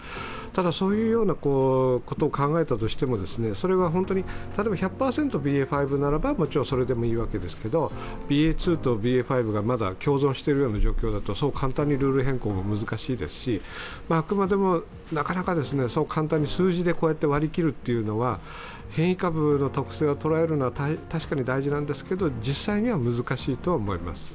ただ、そういうことを考えたとしても例えば１００％ＢＡ．５ならばもちろんそれでもいいですけどＢＡ．２とＢＡ．５がまだ共存しているような状況だとそう簡単にルール変更は難しいでし、なかなかそう簡単に、数字で割り切るっていうのは変異株の特性を捉えるのは確かに大事なんですけど、実際には難しいとは思います。